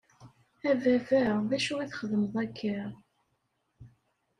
A baba, d acu i txedmeḍ akka?